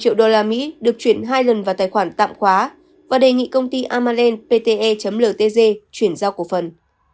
một trăm linh triệu usd được chuyển hai lần vào tài khoản tạm khóa và đề nghị công ty amalen pte ltg chuyển giao cổ phần